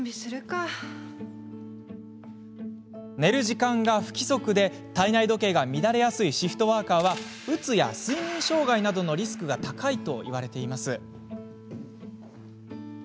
寝る時間が不規則で体内時計が乱れやすいシフトワーカーはうつや睡眠障害などのリスクが高いといわれています。